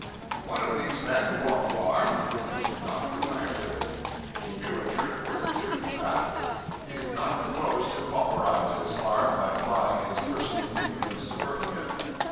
One of these men bought a farm, but did not retire to it. He knew a trick worth two of that. He did not propose to pauperize his farm by applying his personal ignorance to working it.